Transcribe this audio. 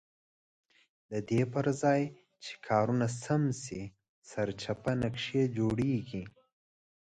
ددې پرځای چې کارونه سم شي سرچپه نقشې جوړېږي.